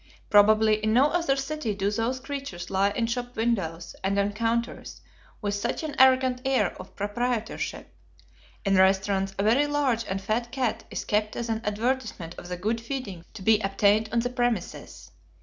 Probably in no other city do these creatures lie in shop windows and on counters with such an arrogant air of proprietorship. In restaurants, a very large and fat cat is kept as an advertisement of the good feeding to be obtained on the premises.